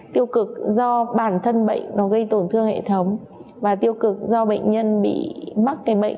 tiêu cực do bản thân bệnh nó gây tổn thương hệ thống và tiêu cực do bệnh nhân bị mắc cái bệnh